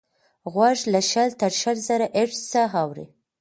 غوږ له شل تر شل زره هیرټز اوري.